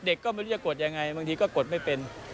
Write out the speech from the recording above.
เด็กก็ไม่รู้จะกดยังไงบางทีก็กดไม่เป็น